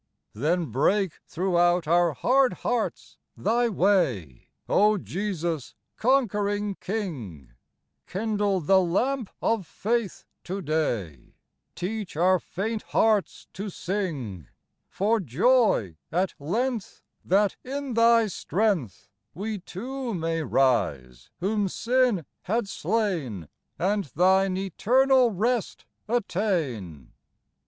Then break throughout our hard hearts Thy way, O Jesus, conquering King ! Kindle the lamp of faith to day ; Teach our faint hearts to sing For joy at length, That in Thy strength We too may rise whom sin had slain, And Thine eternal rest attain.